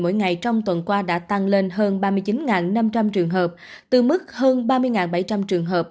mỗi ngày trong tuần qua đã tăng lên hơn ba mươi chín năm trăm linh trường hợp từ mức hơn ba mươi bảy trăm linh trường hợp